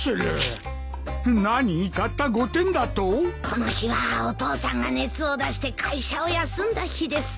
この日はお父さんが熱を出して会社を休んだ日です。